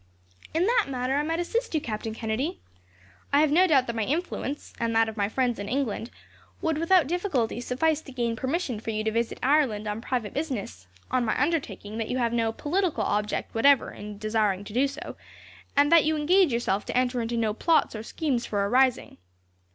"In that matter, I might assist you, Captain Kennedy. I have no doubt that my influence, and that of my friends in England, would without difficulty suffice to gain permission for you to visit Ireland on private business, on my undertaking that you have no political object whatever in desiring to do so, and that you engage yourself to enter into no plots or schemes for a rising.